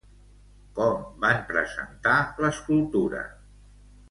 Com van presentar l'escultura?